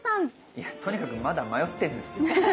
いやとにかくまだ迷ってんですよ。